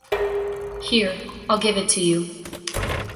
Here, I’ll give it to you.